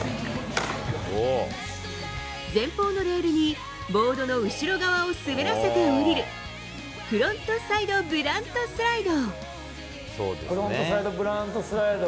前方のレールにボードの後ろ側を滑らせて降りるフロントサイドブラントスライド。